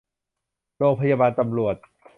โรงพยาบาลตำรวจ